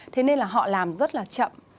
thế nên là họ làm rất là chậm